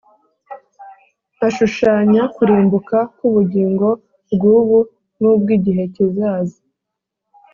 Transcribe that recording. Hashushanya kurimbuka k ubugingo bw ubu n ubw igihe kizaza